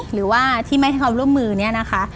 หรือว่าที่ไม่ทำร่วมมือนี้นะคะ